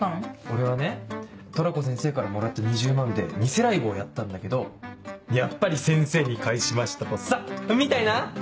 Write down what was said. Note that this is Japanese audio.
俺はねトラコ先生からもらった２０万で偽ライブをやったんだけどやっぱり先生に返しましたとさみたいな！